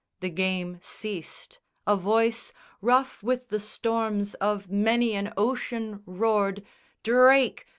The game ceased. A voice Rough with the storms of many an ocean roared "Drake!